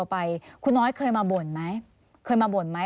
พ่อที่รู้ข่าวอยู่บ้าง